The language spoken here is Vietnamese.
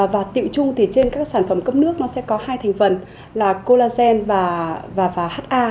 và tiệu chung thì trên các sản phẩm cấp nước nó sẽ có hai thành phần là collagen và ha